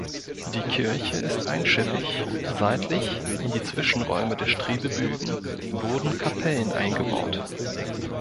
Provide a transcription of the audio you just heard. Die Kirche ist einschiffig, seitlich, in die Zwischenräume der Strebebögen, wurden Kapellen eingebaut.